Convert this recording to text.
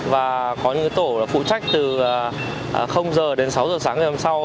và có những cái tổ là phụ trách từ giờ đến sáu giờ sáng ngày hôm sau